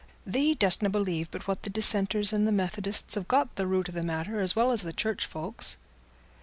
Thee dostna believe but what the dissenters and the Methodists have got the root o' the matter as well as the church folks."